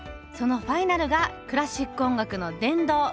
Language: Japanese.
そのファイナルがクラシック音楽の殿堂